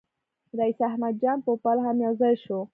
رییس احمد جان پوپل هم یو ځای شو.